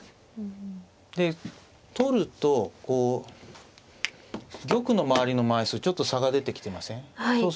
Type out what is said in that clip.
で取るとこう玉の周りの枚数ちょっと差が出てきてません？